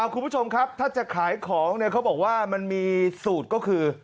คุณผู้ชมครับถ้าจะขายของเขาบอกว่ามันมีสูตรก็คือ